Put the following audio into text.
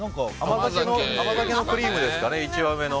甘酒のクリームですかね一番上の。